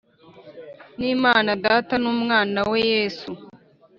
N'Imana Data n'Umwana we Yesu.